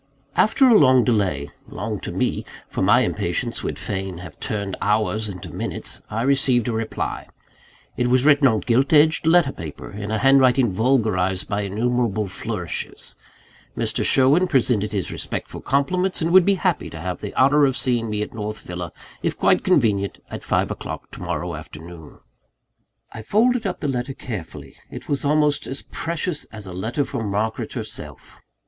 After a long delay long to me; for my impatience would fain have turned hours into minutes I received a reply. It was written on gilt edged letter paper, in a handwriting vulgarised by innumerable flourishes. Mr. Sherwin presented his respectful compliments, and would be happy to have the honour of seeing me at North Villa, if quite convenient, at five o'clock to morrow afternoon. I folded up the letter carefully: it was almost as precious as a letter from Margaret herself.